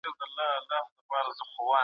ما تېره شپه د مرګ په اړه یو کتاب ولوستی.